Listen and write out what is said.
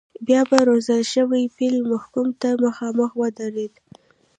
بیا به روزل شوی پیل محکوم ته مخامخ ودرېد.